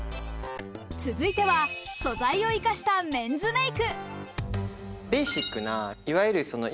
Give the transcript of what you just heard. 続いては素材を生かしたメンズメイク。